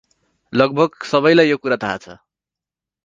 लगभग सबैलाई यो कुरा थाहा छ ।